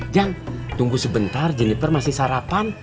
jam tunggu sebentar jennifer masih sarapan